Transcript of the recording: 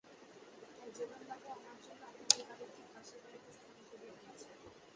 তাই যোগেনবাবু আমার জন্য আপনাদের বাড়ির ঠিক পাশের বাড়িতেই স্থান করিয়া দিয়াছেন।